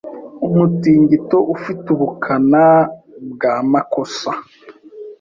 umutingito ufite ubukana bwa makosa